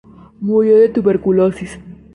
Murió de tuberculosis.